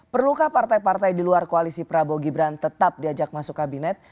perlukah partai partai di luar koalisi prabowo gibran tetap diajak masuk kabinet